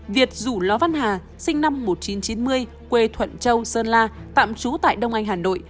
việt rủ ló văn hà sinh năm một nghìn chín trăm chín mươi quê thuận châu sơn la tạm trú tại đông anh hà nội